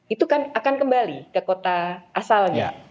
itu kan akan kembali ke kota asalnya